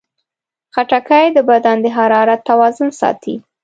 خټکی د بدن د حرارت توازن ساتي.